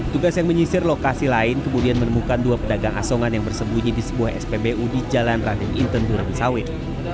tugas yang menyisir lokasi lain kemudian menemukan dua pedagang asongan yang bersembunyi di sebuah spbu di jalan raden inten durami sawit